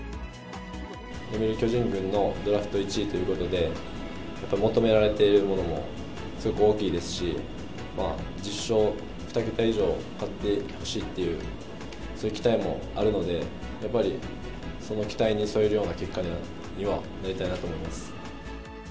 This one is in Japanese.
読売巨人軍のドラフト１位ということで、やっぱ求められているものも、すごく大きいですし、１０勝２桁以上勝ってほしいっていう、そういう期待もあるので、やっぱりその期待にそえるような結果にはなりたいなと思います。